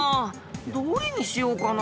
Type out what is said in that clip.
どれにしようかな。